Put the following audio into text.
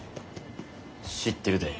知ってるで。